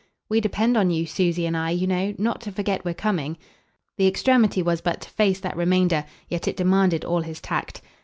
"We depend on you, Susie and I, you know, not to forget we're coming" the extremity was but to face that remainder, yet it demanded all his tact.